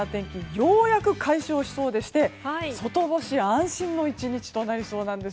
ようやく解消しそうでして外干し安心の１日となりそうです。